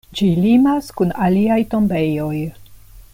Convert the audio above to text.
Ĝi limas kun aliaj tombejoj.